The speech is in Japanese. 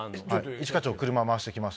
一課長車まわして来ます。